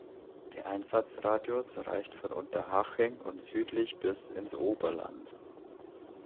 Der Einsatzradius reicht von Unterhaching und südlich bis ins Oberland.